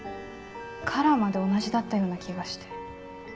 カラーまで同じだったような気がして。